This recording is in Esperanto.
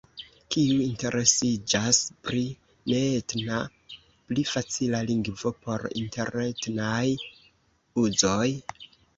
Kiu interesiĝas pri neetna pli facila lingvo por interetnaj uzoj?